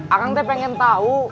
aku pengen tahu